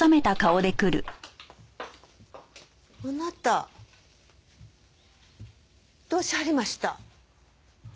あなたどうしはりました？